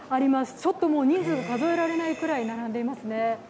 ちょっと人数は数えられないらい並んでいますね。